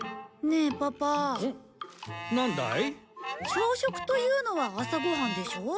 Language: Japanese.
朝食というのは朝ご飯でしょ？